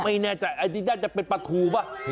ไม่แน่ใจอันนี้น่าจะเป็นปลาทูป่ะ